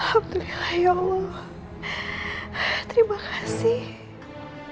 alhamdulillah ya allah terima kasih